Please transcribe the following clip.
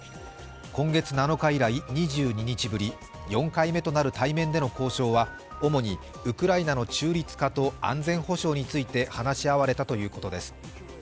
今月７日以来、２２日ぶり、４回目となる対面での交渉は主にウクライナの中立化と安全保障について話し合われたということです。